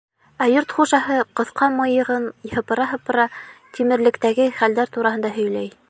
Ә йорт хужаһы, ҡыҫҡа мыйығын һыпыра-һыпыра, тимерлектәге хәлдәр тураһында һөйләй.